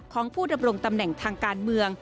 ของผู้ดำรงตำแหน่งทางการเมือง